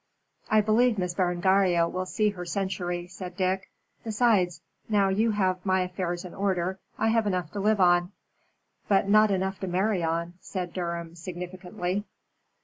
"I believe Miss Berengaria will see her century," said Dick. "Besides, now you have my affairs in order, I have enough to live on." "But not enough to marry on," said Durham, significantly.